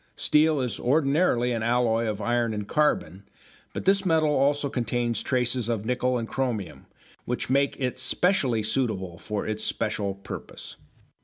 Steel is ordinarily an alloy of iron and carbon, but this metal also contains traces of nickel and chromium, which make it specially suitable for its special purpose.